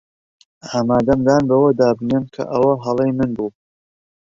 ئامادەم دان بەوەدا بنێم کە ئەوە هەڵەی من بوو.